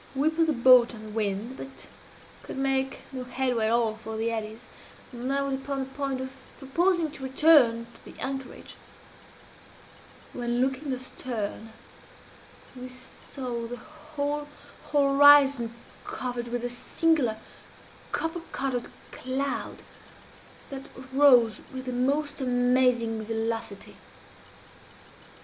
We put the boat on the wind, but could make no headway at all for the eddies, and I was upon the point of proposing to return to the anchorage, when, looking astern, we saw the whole horizon covered with a singular copper colored cloud that rose with the most amazing velocity.